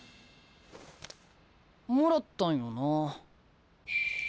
もらったんよなあ。